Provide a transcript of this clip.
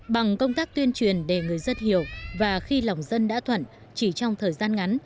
bằng công tác tuyên truyền để người dân hiểu và khi lòng dân đã thuận chỉ trong thời gian ngắn